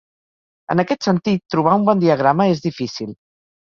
En aquest sentit, trobar un bon diagrama és difícil.